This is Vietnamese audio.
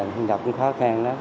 thì mình đọc cũng khó khăn lắm